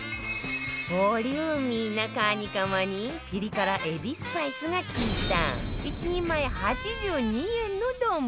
ボリューミーなカニカマにピリ辛エビスパイスが効いた１人前８２円の丼